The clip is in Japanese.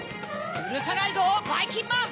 ゆるさないぞばいきんまん！